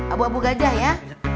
abu abu gajah ya